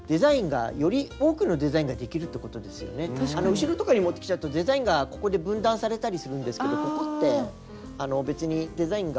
後ろとかにもってきちゃうとデザインがここで分断されたりするんですけどここって別にデザインが。